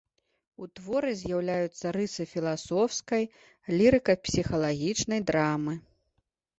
У творы з'яўляюцца рысы філасофскай, лірыка-псіхалагічнай драмы.